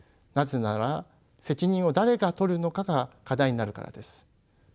なぜなら責任を誰が取るのかが課題になるからです。